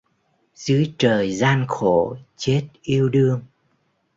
Dưới trời gian khổ chết yêu đương